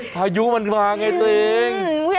พายุมันมาไงตัวเองอืมอืม